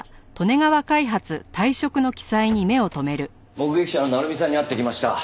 目撃者の鳴海さんに会ってきました。